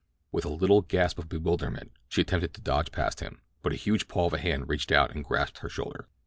With a little gasp of bewilderment she attempted to dodge past him, but a huge paw of a hand reached out and grasped her shoulder.